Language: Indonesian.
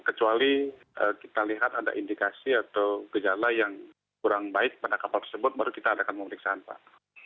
kecuali kita lihat ada indikasi atau gejala yang kurang baik pada kapal tersebut baru kita adakan pemeriksaan pak